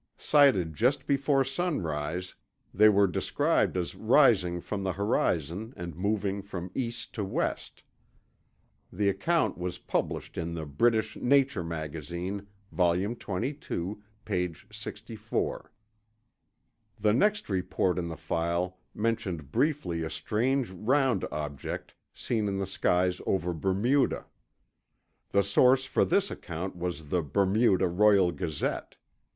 Sighted just before sunrise, they were described as rising from the horizon and moving from east to west. The account was published in the British Nature Magazine, Volume 22, page 64. The next report in the file mentioned briefly a strange round object seen in the skies over Bermuda. The source for this account was the Bermuda Royal Gazette.